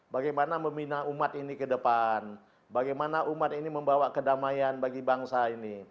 bagaimana membina umat ini ke depan bagaimana umat ini membawa kedamaian bagi bangsa ini